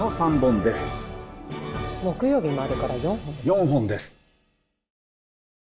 ４本です。